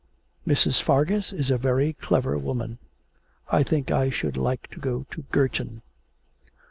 'Mrs. Fargus is a very clever woman. ... I think I should like go to Girton.'